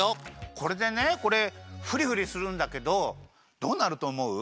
これでねこれふりふりするんだけどどうなるとおもう？